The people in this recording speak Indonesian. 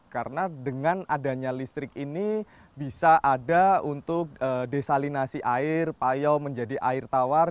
karena dengan adanya listrik ini bisa ada untuk desalinasi air payau menjadi air tawar